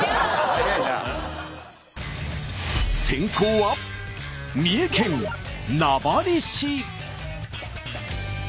先攻は三重県名張市！